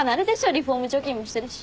リフォーム貯金もしてるし。